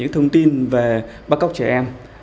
thông tin về bắt cóc trẻ em